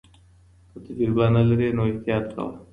که تجربه نه لرې نو احتیاط کوه.